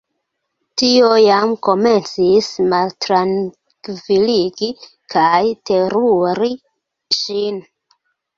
Tio jam komencis maltrankviligi kaj teruri ŝin.